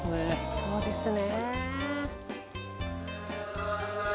そうですね